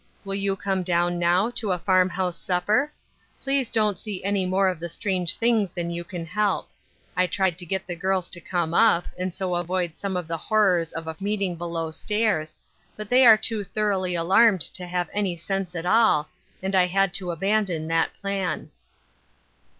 Will you come down now, to a farm house supper? Please don't see any more of the strange things than you can help. I tried to get the girls to come My DaugUers, 293 up, and so avoid some of the horrors of a meet ing below stairs ; but they are too thoroughly alarmed to have any sense at i ll, and I had to abandon that plan."